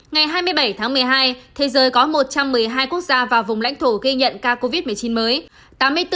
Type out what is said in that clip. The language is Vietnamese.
ngày hai mươi bảy tháng một mươi hai thế giới có một trăm một mươi hai quốc gia và vùng lãnh thổ ghi nhận ca covid một mươi chín mới